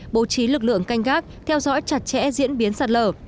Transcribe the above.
bố trí lực lượng canh gác theo dõi chặt chẽ diễn biến sạt lở